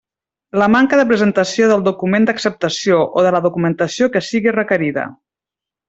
La manca de presentació del document d'acceptació o de la documentació que sigui requerida.